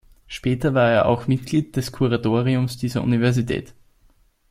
Später war er auch Mitglied des Kuratoriums dieser Universität.